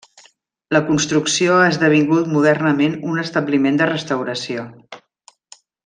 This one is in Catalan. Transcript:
La construcció ha esdevingut modernament un establiment de restauració.